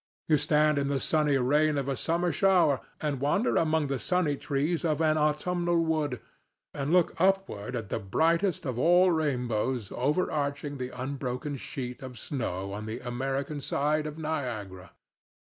You stand in the sunny rain of a summer shower, and wander among the sunny trees of an autumnal wood, and look upward at the brightest of all rainbows overarching the unbroken sheet of snow on the American side of Niagara.